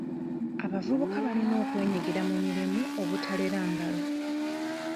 Abavubuka balina okwenyigira mu mirimu obutalera ngalo.